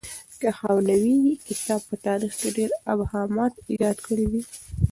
د هانوې کتاب په تاریخ کې ډېر ابهامات ایجاد کړي دي.